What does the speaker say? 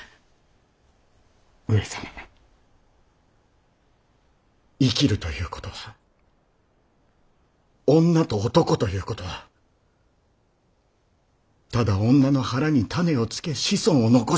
上様生きるということは女と男ということはただ女の腹に種をつけ子孫を残し